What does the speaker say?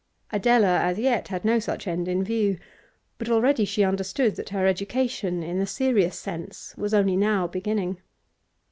Adela as yet had no such end in view, but already she understood that her education, in the serious sense, was only now beginning.